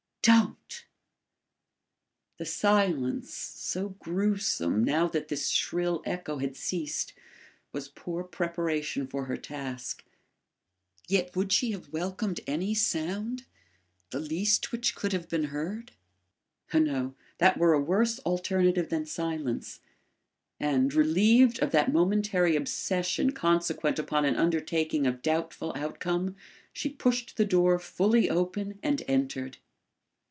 DON'T!" The silence, so gruesome, now that this shrill echo had ceased, was poor preparation for her task. Yet would she have welcomed any sound the least which could have been heard? No, that were a worse alternative than silence; and, relieved of that momentary obsession consequent upon an undertaking of doubtful outcome, she pushed the door fully open and entered.